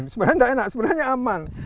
sebenarnya enak sebenarnya aman